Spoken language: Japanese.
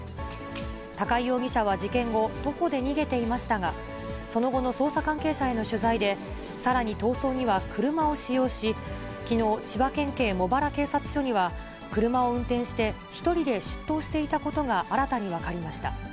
高井容疑者は事件後、徒歩で逃げていましたが、その後の捜査関係者への取材で、さらに逃走には車を使用し、きのう、千葉県警茂原警察署には、車を運転して１人で出頭していたことが新たに分かりました。